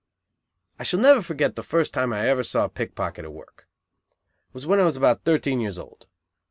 I shall never forget the first time I ever saw a pickpocket at work. It was when I was about thirteen years old.